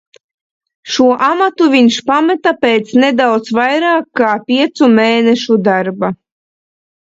Šo amatu viņš pameta pēc nedaudz vairāk kā piecu mēnešu darba.